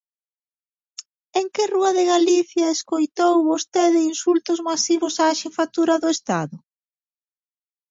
¿En que rúa de Galicia escoitou vostede insultos masivos á xefatura do Estado?